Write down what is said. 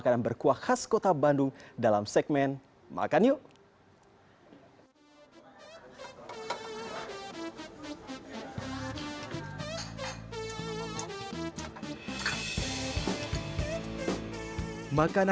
ada bakso tahunya ada baksonya